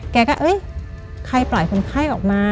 แกก็เอ้ยใครปล่อยคนไข้ออกมา